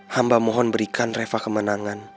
hamba mohon berikan reva kemenangan